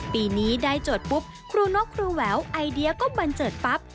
ปีนี้ได้โจทย์ปุ๊บครูนกครูแหววไอเดียก็บันเจิดปั๊บ